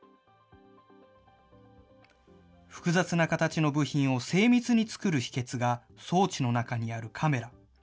複雑な形の部品を精密に作る秘けつが、装置の中にあるカメラ。